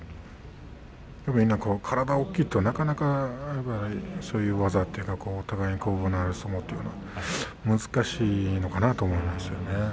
特に体が大きいとなかなかそういう技というかお互い攻防のある相撲というのが難しいのかなと思いますね。